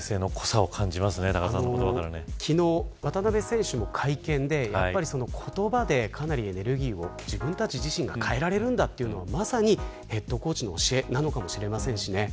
昨日、渡邊選手も会見で言葉のエネルギーを自分たち自身で変えられるんだというのはまさに、ヘッドコーチの教えなのかもしれません。